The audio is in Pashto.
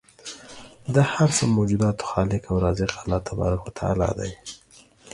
د هر څه موجوداتو خالق او رازق الله تبارک و تعالی دی